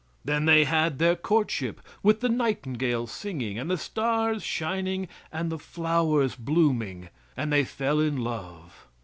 Then they had their courtship, with the nightingale singing and the stars shining and the flowers blooming, and they fell in love.